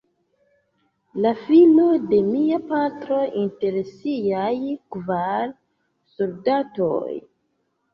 La filo de mia patro, inter siaj kvar soldatoj.